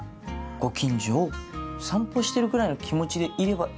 ご近所を散歩してるぐらいの気持ちでいればいい。